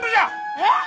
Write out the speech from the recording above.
えっ！